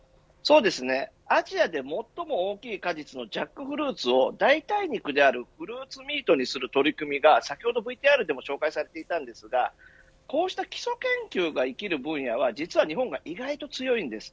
アジアで最も大きい果実のジャックフルーツを代替肉であるフルーツミートにする取り組みが先ほどＶＴＲでも紹介されていましたがこうした基礎研究が生きる分野は実は日本が、意外と強いです。